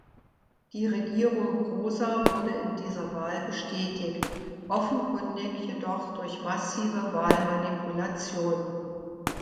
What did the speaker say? Die Regierung Groza wurde in dieser Wahl bestätigt, offenkundig jedoch durch massive Wahlmanipulation.